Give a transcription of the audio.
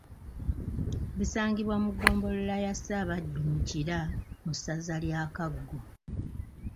Bisangibwa mu Ggombolola ya Ssaabaddu mu Kira Mu Ssaza lya Kaggo.